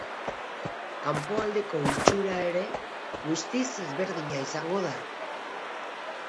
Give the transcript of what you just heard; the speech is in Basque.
Kanpoaldeko itxura ere guztiz ezberdina izango da.